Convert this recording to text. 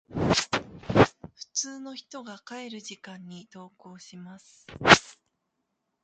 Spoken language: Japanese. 普通の人が帰る時間に登校します。